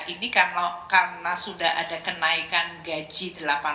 ini karena sudah ada kenaikan gaji